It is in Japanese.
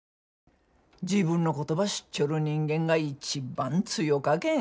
自分のことば知っちょる人間が一番強かけん。